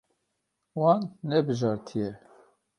Wan nebijartiye.